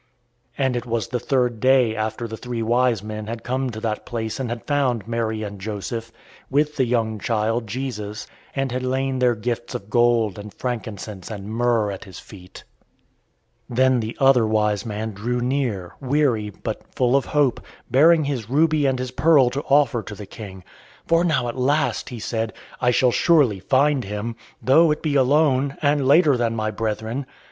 And it was the third day after the three wise men had come to that place and had found Mary and Joseph, with the young child, Jesus, and had laid their gifts of gold and frankincense and myrrh at his feet. Then the other wise man drew near, weary, but full of hope, bearing his ruby and his pearl to offer to the King. "For now at last," he said, "I shall surely find him, though it be alone, and later than my brethren.